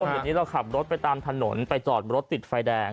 วันนี้เราขับรถไปตามถนนไปจอดรถติดไฟแดง